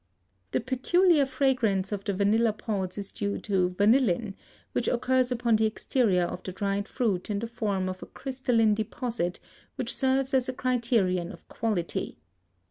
The peculiar fragrance of the vanilla pods is due to vanillin, which occurs upon the exterior of the dried fruit in the form of a crystalline deposit, which serves as a criterion of quality.